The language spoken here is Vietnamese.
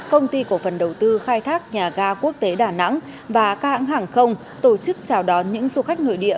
công ty cổ phần đầu tư khai thác nhà ga quốc tế đà nẵng và các hãng hàng không tổ chức chào đón những du khách nội địa